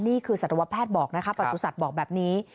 นี่คือสัตวแพทย์บอกนะคะปราชุศัตริย์บอกแบบนี้